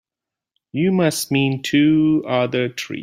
You must mean two other trees.